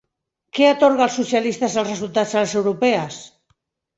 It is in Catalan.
Què atorga als socialistes els resultats a les europees?